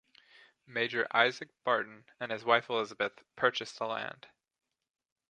Major Isaac Barton and his wife Elizabeth purchased the land.